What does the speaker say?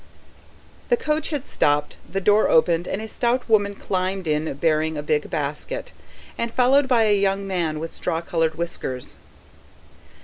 The coach had stopped, the door opened and a stout woman climbed in, bearing a big basket, and followed by a young man with straw coloured whiskers.